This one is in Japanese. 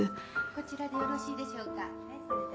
こちらでよろしいでしょうか？